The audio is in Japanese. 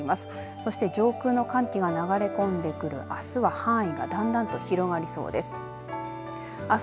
そして上空の寒気が流れ込んでくるあすは範囲がだんだんと広がりそうです。